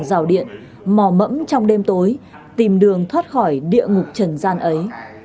rào điện mò mẫm trong đêm tối tìm đường thoát khỏi địa ngục trần gian ấy